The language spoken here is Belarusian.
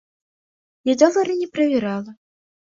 Я долары не правярала.